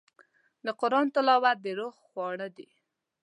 د قرآن تلاوت د روح خواړه دي.